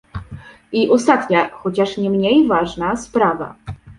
I ostatnia, chociaż nie mniej ważna, sprawa